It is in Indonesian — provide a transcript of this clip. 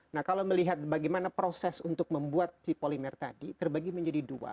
nah kalau melihat bagaimana proses untuk membuat hipolimer tadi terbagi menjadi dua